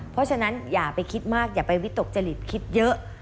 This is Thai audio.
เพราะฉะนั้นอย่าไปคิดมากอย่าไปวิตกจริตคิดเยอะ